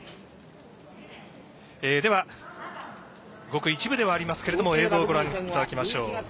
ごく一部ではありますが映像をご覧いただきましょう。